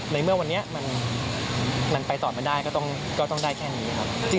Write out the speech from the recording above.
ในเมื่อวันนี้มันไปต่อไม่ได้ก็ต้องได้แค่นี้ครับ